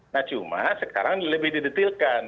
nah cuma sekarang lebih didetilkan